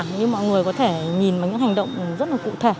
nhưng mọi người có thể nhìn vào những hành động rất là cụ thể